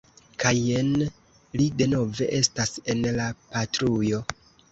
Kaj jen li denove estas en la patrujo.